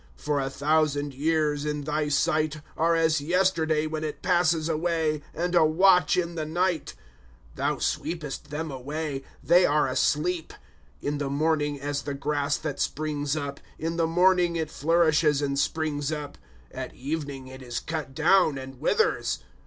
* For a thousand years, in thy sight, Are as yesterday when it passes away, And a watch in the night, s Thou sweepest them away, they are a sleep ; In the morning as the grass that springs up; c In the morning it flourishes and springs up, At evening, it is cut down and withers.